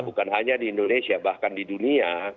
bukan hanya di indonesia bahkan di dunia